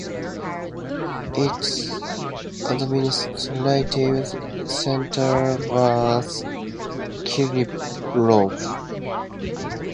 Its administrative centre was Kirillov.